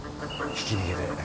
ひき逃げで。